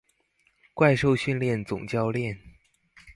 怪獸訓練總教練